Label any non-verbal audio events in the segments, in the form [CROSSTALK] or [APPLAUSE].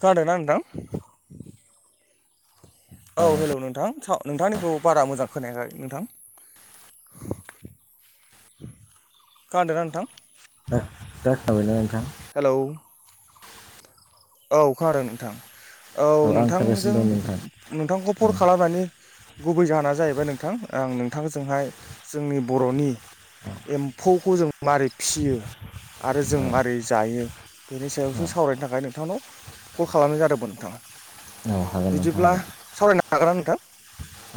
खोनादोना नोंथां? औ हेलौ नोंथां नोंथांनिखौ बारा मोजां खोनायाखै। नोंथां खोनादोंना नोंथां? जाखाबायना नोंथां। हेलौ औ खानादों नोंथां। औ आं खोनागासिनो नोंथांजों दं नोंथां नोंथांखौ फन ओं खालामनायनि गुबै जाहोना जाहैबाय नोंथां आं नोंथांजोंहाय जोंनि बर'नि एम्फौखौ जों मारै फिसियो आरो जों माबारै जायो बेनि सायावसो सावरायनो थाखाय नोंथांनाव कल खालामनाय जादोंमोन नोंथां औ औ हागोन नोंथां बिदिब्ला हागोन सावरायनो हागोना नोंथां?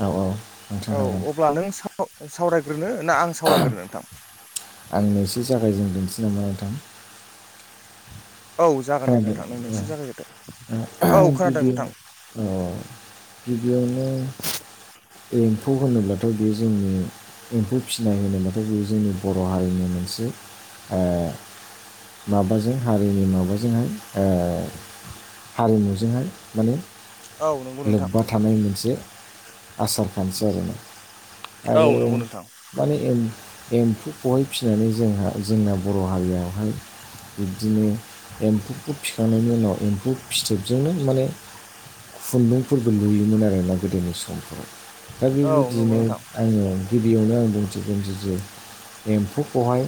औ औ नोंथां औ हागोन अब्ला नों साव सावरायग्रोनो ना आं सावरायग्रोनो नोंथां आंनो एसे जागायजेग्रोनोसै नामा नोंथां? औ जागोन दे नोंथां नोंनो एसे जागायग्रोदो। औ आं खोनादों गिबियाव नोंथां औ गिबियावनो एम्फौ होनोब्लाथ' बेयो जोंनि एम्फौ फिसिनाय होनोबथाय बेयो जोंनि बर' हारिनि मोनसे ओ माबाजों हारिनि माबाजोंहाय ओ हारिमु जोंहाय माने औ नंगौ नोंथां लोब्बा थानाय मोनसे आसार खान्थि आरोना औ आरो नंगौ नोंथां माने एम्फौखौहाय फिनानै जोंहा जोंना बर' हारिया बिब्दिनो एम्फौखौ फिखांनायनि उनाव एम्फौ फिथोब जोंनो माने खुन्दुंफोरबो लुयोमोन आरोना गोदोनि समफोराव। दा औ नंगौ बेबायदिनो नोंथां आङो गिबियावनो आं बुं [UNINTELLIGIBLE] एम्फौखौहाय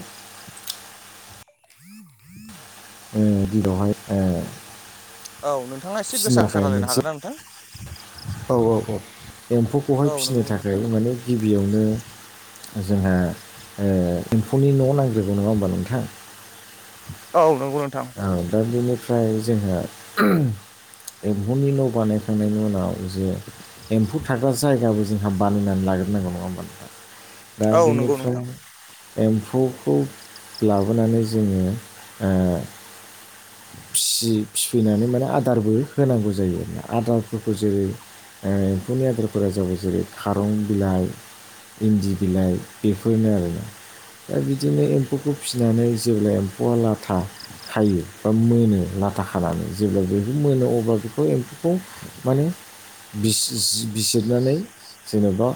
[INAUDIBLE] [UNINTELLIGIBLE] औ नोंथाङा एसे फिसिनो गोसा गोसा थाखाय राय्लायनो मोनसे हागोन ना नोंथां? औ औ औ एम्फौखौहाय औ फिसिनो नंगौ नोंथां थाखाय थारैनो माने गिबियावनो जोंहा ओ एम्फौनि न' नांग्रोगौ नङा होमबा नोंथां? औ नंगौ नोंथां ओ दा बिनिफ्राय जोंहा एम्फौनि न' बानायखांनायनि उनाव जे एम्फौ थाग्रा जायगाबो जोंहा बानायनानै लाग्रनांगौ नङा होमबा नोंथां दा औ नंगौ नोंथां बेनिफ्राय एम्फौखौ लाबोनानै जोङो ओ फिसि फिफैनानै माने आदारबो होनांगौ जायो आरो आदारफोरखौ जेरै ओ एम्फौनि आदारफोरा जाबाय जेरै खारं बिलाइ इन्दि बिलाइ बेफोरनो आरोना। दा बिदिनो एम्फौखौ फिसिनानै जेब्ला एम्फौआ लाथा खायो बा मोनो लाथा खानानै जेब्ला जुदि मोनो अब्ला बेखौ एम्फौखौ माने बिसिस बिजिरनानै जेनेबा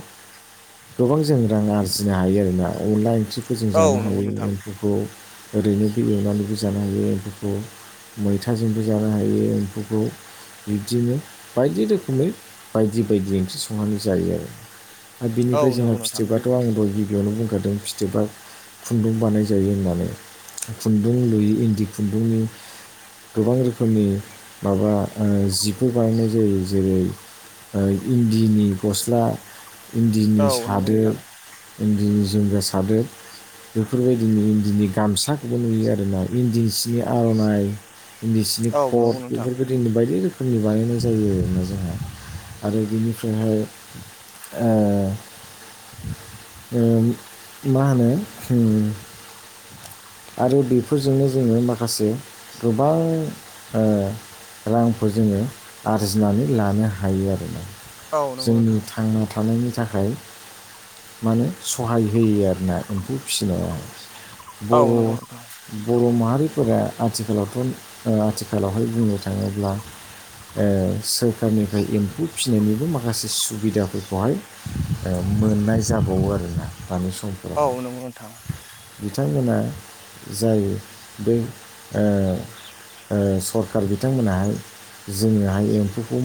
गोबां जों रां आरजिनो हायो आरोना अनला ओंख्रि फोरजों औ जानो नंगौ हायो नोंथां एम्फौखौ ओरैनोबो एवनानैबो जानो हायो एम्फौ खौ मैथाजोंबो जानो हायो एम्फौखौ। बिब्दिनो बायदि रोखोमै बायदि बायदि ओंख्रि संनानै जायो आरो। आरो औ बिनिफ्राय जोंहा नंगौ नोंथां फिथोबाथ' आं दहाय बेयावनो बुंखादों फिथोबा खुन्दुं बानाय जायो होननानै खुन्दुं लुयो इन्दि बुंनि गोबां रोखोमनि माबा ओ जिखौ बानायनाय जायो जेरै ओ इन्दिनि गस्ला औ इन्दिनि नंगौ सादोर नोंथां इन्दि बेफोरबायदिनो इन्दिनि गामसाखौबो नुयो आरो ना इन्दि आर'नाइ इन्दिसिनि औ नंगौ कट नोंथां बेफोरफोरखौ जोंनि बायदि रोखोम फोरनि बानायनाय जायो आरोना जोंहा आरो बिनिफ्रायहाय ए ओ मा होनो आरो बेफोरजोंनो जोङो माखासे गोबां ओ रांखौ जोङो आरजिनानै लानो हायो आरो ना। औ नंगौ जोंनि नोंथां थांना थानायनि थाखाय माने सहाय होयो आरो ना एम्फौ फिसिनाया। फिनाया बर' बर' मा माहारिफोरा आथिखालावथ' आथिखालावहाय बुंनो थाङोब्ला ओ सोरखारनिफ्राय एम्फौ फिसिनायनिबो माखासे सुबिदाफोरखौहाय ओ मोननाय जाबावो आरोना दानि औ समफोरावहाय नंगौ नोंथां बिथां मोना जाय बे ओ ओ सरखार बिथांमोनाहाय जोङोहाय एम्फौखौ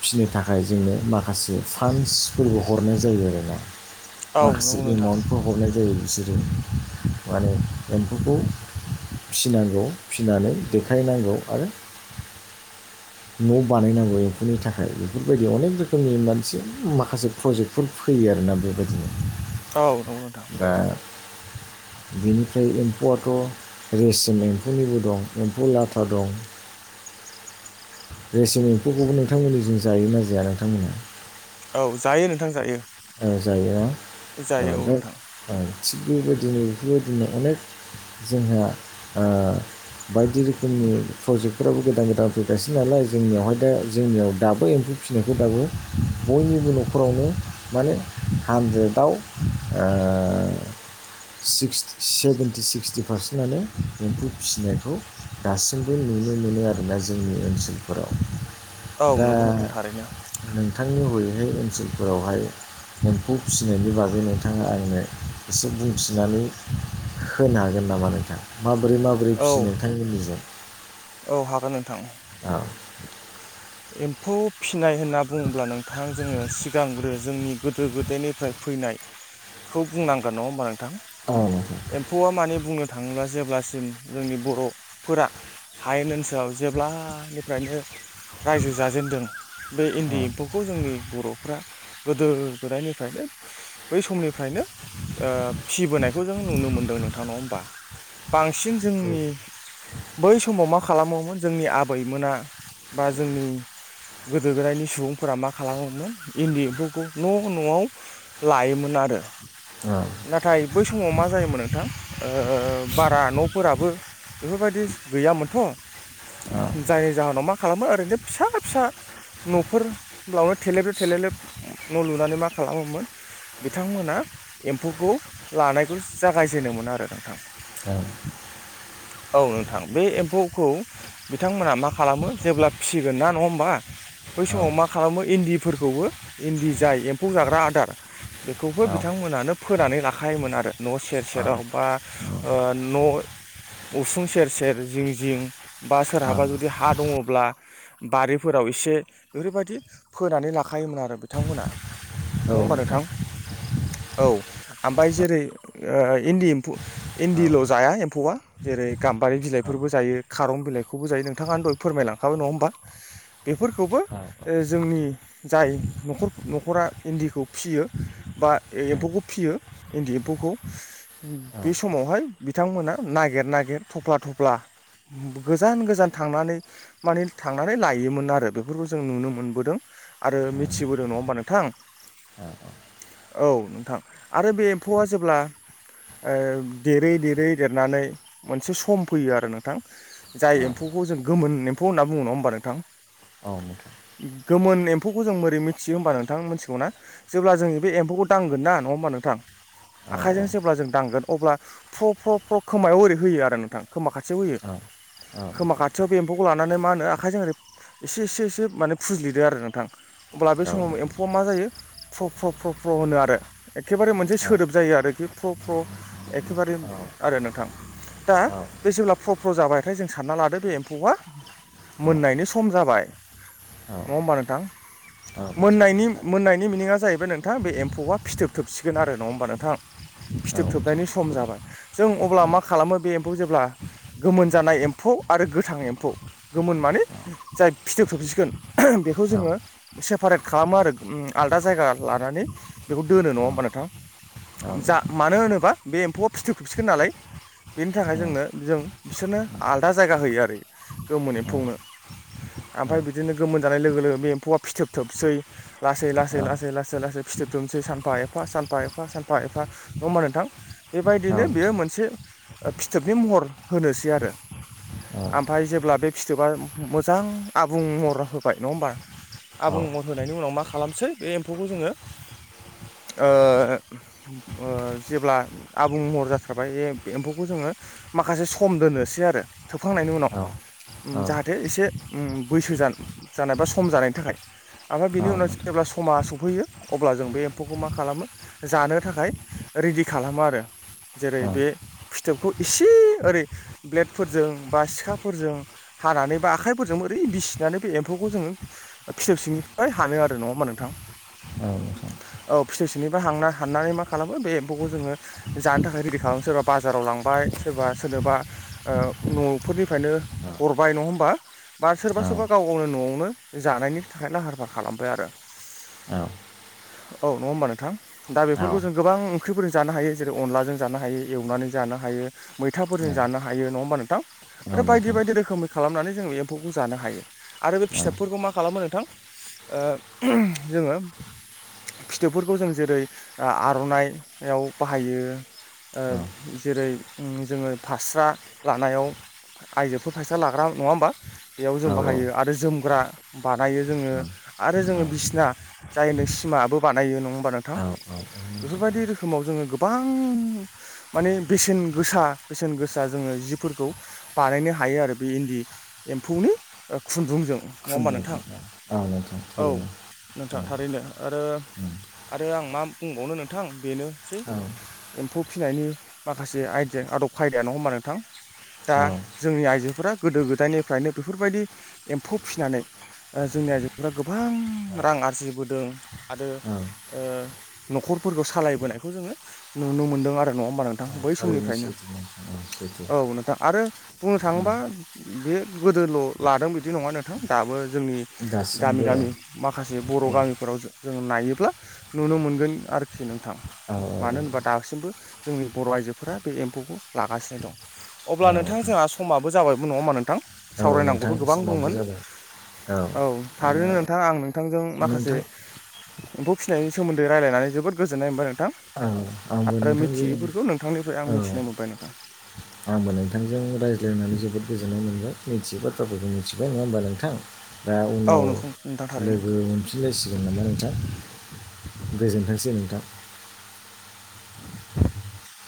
फिसिनो थाखाय जोंनो माखासे फान्सफोरबो हरनाय जायो आरोना माखासे एमाउन्टफोर हरनाय जायो बिसोरो माने एम्फौखौ फिनांगौ फिनानै देखायनांगौ आरो [INAUDIBLE] न' बानायनांगौ एम्फौनि थाखाय बेफोरबायदि अनेक रोखोमनि मोनसि माखासे प्रजेक्टफोर फैयो आरो ना बेबायदिनो औ नंगौ नोंथां। दा बेनिफ्राय एम्फौआथ' रेसिम एम्फौनिबो दं एम्फौ लाथा दं। [INAUDIBLE] रेसिम एम्फौखौबो नोंथांमोननि जों जायोना जाया नोंथांमोना? औ जायो नोंथां जायो। ओ जायो न जायो औ नोंथां थिग बेबायदिनो बेफोरबायदिनो अनेक जोंहा ओ बायदि रोखोमनि प्रजेक्टफोराबो गोदान गोदान फैगासिनो नालाय जोंनियावहाय दा जोंनियाव दाबो एम्फौ फिसिनायखौ दाबो बयनिबो न'खरावनो माने हानद्रेदाव ओ सिक्स सेभेेनटि सिक्सटि पारसेन्टआनो एम्फौ फिसिनायखौ दासिमबो नु नुनो मोनो आरोना जोंनि औ ओनसोलफोराव दा नंगौ नोंथां थारैनो नों थांनि हरैहाय ओनसोलफोरावहाय एम्फौ फिसिनायनि बागै नोंथाङा आंनो एसे बुंथिनानै होनो नो हागोन नामा नोंथां माबोरै माबोरै औ फिसियो नोंथांनि निजों औ हागोन नोंथां औ एम्फौ फिनाय होनना बुङोब्ला नोंथां जोङो सिगांग्रो जोंनि गोदो गोदायनिफ्राय फैनायखौ बुंनांगोन नङा होनबा नों थां औ नोंथां एम्फौआ माने बुंनो थाङोब्ला जेब्लासिम जोंनि बर'फोरा हायेन ओनसोलाव जेब्लानिफ्रायनो रायजो जाजेनदों बे इन्दि एम्फौखौ जोंनि बर'फ्रा गोदो गोदायनिफ्रायनो बै समनिफ्रायनो ओ फिबोनायखौ जों नुनो मोनदों नोंथां नङा होमबा बांसिन जोंनि बै समाव मा खालामोमोन जोंनि आबैमोना बा जोंनि गोदो गोदायनि सुबुंफोरा मा खालामोमोन इन्दि एम्फौखौ न' न'आव लायोमोन आरो औ नाथाय बै समाव मा जायोमोन नोंथां? बारा न'फोराबो बेफोर बायदि गैयामोनथ'? जायनि जाहोनाव मा खालामो ओरैनो फिसा फिसा न'फोर बावनो थेलेब लेब थेलेब लेब न' लुनानै मा खालामो मोन बिथांमोना एम्फौखौ लानायखो जागाय जेनोमोन आरो नोंथां। दा औव नोंथां बे एम्फौखौ बिथांमोना मा खालामो? जेब्ला फिसिगोन ना नङा होमबा बै औ समाव मा खालामो इन्दिफोरखौबो इन्दि जाय एम्फौ जाग्रा आदार बेखौबो औ बिथां बिथां मोनानो फोनानै लाखायोमोन आरो न' सेर सेराव बा ओ न' उसुं सेर सेर जिं जिं बा नोंथां सोरहाबा जुदि हा दङ अब्ला बारिफोराव एसे ओरैबायदि फोनानै लाखायोमोन आरो बिथांमोना। औ नङा होमबा नोंथां। औव ओमफ्राय जेरै ओ इन्दि एम्फौ इन्दिल' जाया [UNINTELLIGIBLE] एम्फौवआ जेरै गाम्बारि बिलाइफोरबो जायो खारं बिलाइखौबो जायो नोंथाङा दहाय फोरमायलां [UNINTELLIGIBLE] होमबा बेफोरखौबो जोंनि जाय न'खर, न'खरा इन्दिखौ फिसियो बा एम्फौखौ फियो इन्दि एम्फौखौ [INAUDIBLE] बे समावहाय बिथांमोना नागिर नागिर थफ्ला थफ्ला अब्ला गोजान गोजान थांनानै माने थांनानै लायोमोन आरो बेफोरखौ जों नुनो मोनबोदों आरो मिथिबोदों नङा होमबा नोंथां? औ [INAUDIBLE] औ नोंथां। आरो बे एम्फौआ जेब्ला ओ देरै देरै देरनानै मोनसे सम फैयो आरो नोंथां [INAUDIBLE] जाय एम्फौखौ जों गोमोन एम्फौ होनना बुङो नङा होमबा नोंथां? गोमोन एम एम्फौखौ जों मिथियो होमबा नोंथां मिथिगौना? जेब्ला जोंङो बे एमखौ दांगोन नङा होनोमबा नोंथां आखाइजों जेब्ला जों दांगोन अब्ला फ्र' फ्र' फ्र' खोमायाव ओरै होयो आरो नोंथां खोमा खाथियाव होयो। खोमा खाथियाव बे एम्फौखो आखौ लानानै मा होनो आखाइजों ओरै एसे एसे एसे माने फुजलिदो आरो नोंथां। अब्ला बे औ समाव नोंथां एम्फौआ मा जायो फ्र' फ्र' फ्र' फ्र' होनो आरो। एखेबारे मोनसे औ सोदोब जायो आरोखि। फ्र' फ्र' एखेबारे औ आरो नोंथां। दा बे जेब्ला फ्र' फ्र' जाबायथाय जों सानना लादो बे एम्फौआ मोननायनि सम जाबाय। औ नङा होमबा नोंथां? औ नोंथां मोननायनि, मोननायनि मिनिआ जाहैबाय नोंथां बे एम्फौआ फिथोब थोबसिगोन आरो नङा होमबा नोंथां? औ फिथोब नोंथां थोबनायनि सम जाबाय। जों अब्ला मा खालामो बे एम्फौ जेब्ला, गोमोन जानाय एम्फौ आरो गोथां एम्फौ गोमोन माने जाय फिथोब थोबसिगोन [INAUDIBLE] बेखौ औ जोंङो सेपारेट खालामो आरो। आलदा जायगा लानानै बेखौ दोनो नङा होमबा नोंथां? औ [INAUDIBLE] जा नोंथां मानो होनोबा बे एम्फौआ फिथो खोबसिगोन नालाय? बेनि थाखाय औ जोंनो जों बिसोरनो आलादा जायगा होयो आरो गोमोनो एम्पौनो। औ ओम फ्राय बिदिनो गोमोन जानाय लोगो लोगो बे एम्फौआ फिथोब थोबनोसै। लासै, नोंथां औ लासै, लासै, लासै, लासै [UNINTELLIGIBLE] फिथोब थोबनोसै। सानफा एफा, सानफा एफा, सानफा एफा नङा होमबा नोंथां? नोंथां औ नोंथां औ नोंथां औ बेबायदिनो बेयो मोनसे [INAUDIBLE] फिथोबनि महर होनोसै आरो। ओमफ्राय जेब्ला बे फिथोबा मोजां आबुं महर होबाय नङा हमबा? आबुं महर होनायनि उनाव मा खालामनोसै बे एम्फौखौ जोंङो ओ ओ जेब्ला आबुं महर जाथारबाय बे एम्फौखौ जोंङो [INAUDIBLE] माखासे सम दोननोसै आरो थोबखांनायनि उनाव। जाहाथे एसे उम्म बैसो जानाय बा सम जानायनि थाखाय। आमफाय बेनि उनाव जेब्ला समा स फैयो अब्ला जों बे एम्फौखौ मा खालामो जानो थाखाय रेडि खालामो आरो। जेरै औ बे फिथोबखौ इसे ओरै ब्लेडफोरजों बा सिखा फोरजों हानानै बा आखाइफोरजों ओरै बिसिनानै बे एम्फौखौ जोङो फिथोब सिंनिफ्राय हानो आरो नङा होमबा नोंथां? औ औ फिथोब सिंनिफ्राय हांना हाननानै मा खालामो बे एम्फौखौ जोङो जानो थाखाय रेडि खालामो सोरबा बाजाराव लांबा सोरबा सोरनोबा ओ न'फोरनि फ्रायनो हरबाय नङा होनबा बा सोरबा नोंथां सोरबा गाव गावनो न'आवनो जानायनि थाखाय लाहार फाहार खालामो। बाय आरो औ। औ नङा होमबा नोंथां दा बेफोरखौ जों गोबां ख्रिफोरजों जानो हायो जेरै अनदलाजों जानो हायो एवनानै जानो हायो। मैथाफोरजों जानो हायो नङा होमबा नोंथां आरो बायदि बायदि रोखोमै खालामनानै जों बे एम्फौखौ जानो हायो आरो बे फिथाबफोरखौ मा खालामो नोंथां? ओ जोङो फिथोबफोरखौ जों जेरै ओ आर'नायाव बाहायो। ओ जेरै जोङो फास्रा लानायाव आइजोफोर फायसा लाग्रा नङा होमबा बेयाव जों बाहायो आरो जोमग्रा बानायो जोङो आरो जोङो बिसिना जाय नों सिमाबो बानायो नङा होमबा नोंथां? बेफोरबायदि रोखोमाव जोङो गो बां माने बेसेन गोसा बेसेन गोसा जोङो जिफोरखौ बानायनो हायो आरो बे इन्दि एम्फौनि खुन्दुंजों। नङा होमबा नोंथां औ [UNINTELLIGIBLE] नोंथां थारैनो आरो उम आरो आं मा बुंबावनो नोंथां बेनोसै औ एम्फौ फिसिनायनि माखासे आइदिया आदब खायदाया नङा होमबा नोंथां दा जोंनि आइजोफोरा गोदो गोदायनिफ्रायनो बेफोरबायदि एम्फौ फिसिनानै जोंनि आइजोफोरा गोबां रां आरजिबोदों आरो औ ओ न'खरफोरखौ सालायबोनायखौ जोङो नुनो मोनो। नो आरो नङा होमबा नोंथां बै थारैनो समनिफ्रायनो सैथो नोंथां औ सैथो औ नोंथां। आरो बुंनो उम थाङोबा बे गोदोल लादों बिदि नङा नोंथां दाबो जोंनि गामि दासिमबो औ गामि माखासे बर' गामिफोराव जों नायोब्ला नुनो मोनगोन आरोखि नोंथां औ मानो होनोबा दासिमबो जोंनि बर' आइजोफोरा बे एम्फौखौ लागासिनो दं अब्ला नोंथां जोंहा समाबो जाबाय। नङा होमबा नोंथां औ नोंथां सावरायनांगौथ गोबां समाबो दंमोन जाबाय औ थारैनो नोंथां आं नोंथांजों माखासे नोंथां एम्फौ फिसिनायनि सोमोन्दै रायलायनानै जोबोद गोजोननाय मोनबाय नोंथां। औ आंबो आरो नोंथांजों मिथियैफोरखौ नोंथांनिफ्राय आं औ मिथिनो मोनबाय नोंथां। आंबो नोंथांजों रायज्लायनानै जोबोद गोजोन्नाय मोनबाय मिथियै बाथ्राफोरखौ मिथिबाय नङा होमबा नोंथां। दा औ उनाव नोंखौ नोंथां थारैनो लोगो मोनफिनलायसिगोन नामा नोंथां। गोजोनथोंसै नोंथां।